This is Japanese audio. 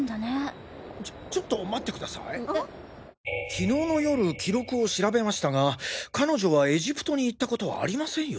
きのうの夜記録を調べましたが彼女はエジプトに行ったことはありませんよ。